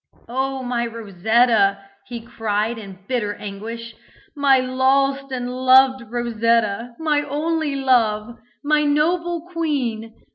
"Oh, my Rosetta!" he cried, in bitter anguish. "My lost and loved Rosetta! my only love! my noble queen!"